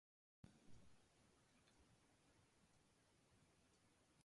y fortalecer el bienestar emocional y la resiliencia de las poblaciones afectadas negativamente